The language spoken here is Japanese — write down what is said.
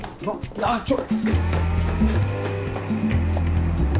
なっちょっ。